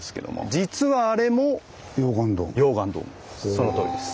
そのとおりです。